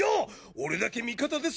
俺だけ味方です